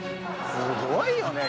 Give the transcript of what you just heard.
すごいよね